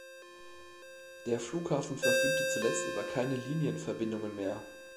Der Flughafen verfügte zuletzt über keine Linienverbindungen mehr.